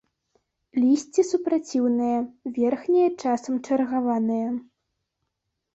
Лісце супраціўнае, верхняе часам чаргаванае.